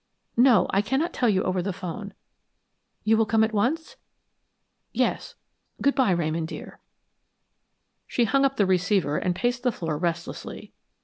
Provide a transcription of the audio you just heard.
No, I cannot tell you over the 'phone. You will come at once? Yes, good by, Ramon dear." She hung up the receiver and paced the floor restlessly.